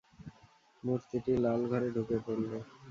মূর্তিটি লাল ঘরে ঢুকে পড়ল।